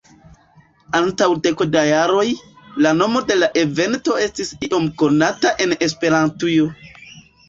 Antaŭ deko da jaroj, la nomo de la evento estis iom konata en Esperantujo.